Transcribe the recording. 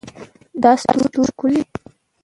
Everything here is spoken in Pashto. دا ستوری ښکلی ده